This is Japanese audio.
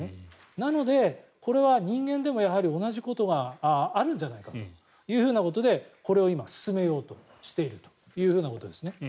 なので、これは人間でも同じことがあるんじゃないかということでこれを今、進めようとしているということです。